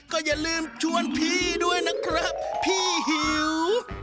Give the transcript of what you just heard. ก็อย่าลืมชวนพี่ด้วยนะครับพี่หิว